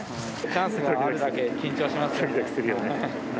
チャンスがあるだけ緊張しますよね。